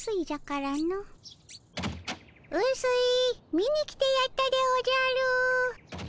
見に来てやったでおじゃる。